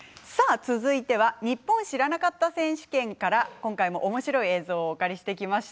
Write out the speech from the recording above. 続いては「ニッポン知らなかった選手権実況中！」から今回もおもしろい映像をお借りしてきました。